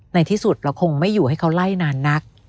ในที่สุดเราคงไม่อยู่ให้เขาไล่นานนัก